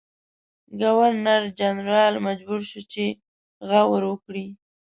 ګورنرجنرال مجبور شو چې غور وکړي.